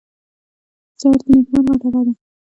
سهار د نیکمرغۍ ټپه ده.